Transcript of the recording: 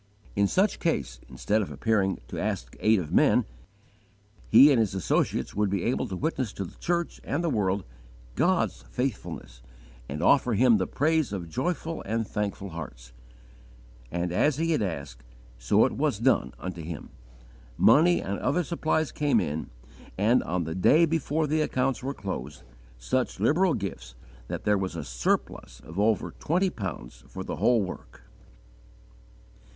In such case, instead of appearing to ask aid of men, he and his associates would be able to witness to the church and the world, God's faithfulness, and offer Him the praise of joyful and thankful hearts. As he had asked, so was it done unto him. Money and other supplies came in, and, on the day before the accounts were closed, such liberal gifts, that there was a surplus of over twenty pounds for the whole work.